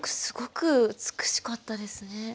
すごく美しかったですね。